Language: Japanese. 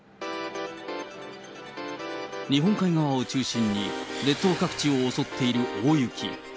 日本海側を中心に、列島各地を襲っている大雪。